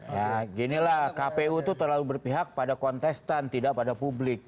ya ginilah kpu itu terlalu berpihak pada kontestan tidak pada publik